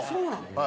はい。